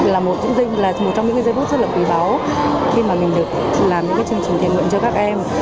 là một trong những cái dây bút rất là quý báu khi mà mình được làm những cái chương trình thiện nguyện cho các em